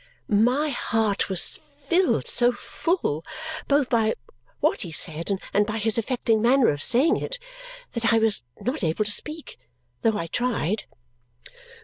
My heart was filled so full, both by what he said and by his affecting manner of saying it, that I was not able to speak, though I tried.